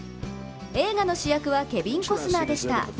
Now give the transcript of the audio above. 映画の主役はケビン・コスナーでした。